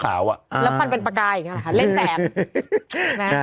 แล้วควันเป็นปากกาอย่างนี้หรอคะเล่นแสบ